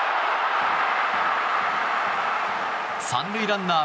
３塁ランナー